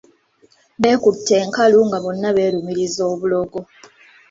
Beekutte enkalu nga bonna beerumiriza obulogo.